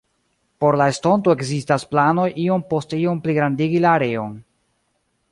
Por la estonto ekzistas planoj iom post iom pligrandigi la areon.